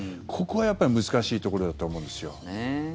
ここがやっぱり難しいところだとは思うんです。